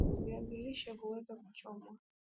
viazi lishe huweza huchomwa